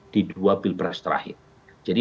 di dua pilpres terakhir jadi